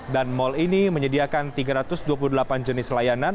dan mall ini menyediakan tiga ratus dua puluh delapan jenis layanan